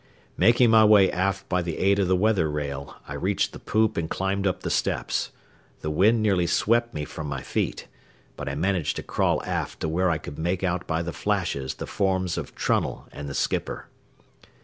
Making my way aft by the aid of the weather rail, I reached the poop and climbed up the steps. The wind nearly swept me from my feet, but I managed to crawl aft to where I could make out by the flashes the forms of Trunnell and the skipper.